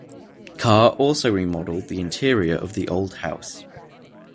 Carr also remodelled the interior of the old house.